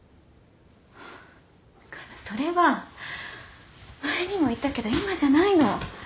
だからそれは前にも言ったけど今じゃないの。